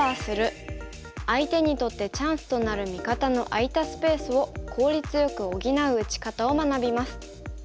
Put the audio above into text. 相手にとってチャンスとなる味方の空いたスペースを効率よく補う打ち方を学びます。